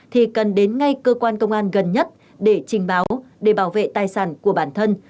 thì cần đến ngay cơ quan công an gần nhất để trình báo để bảo vệ tài sản của bản thân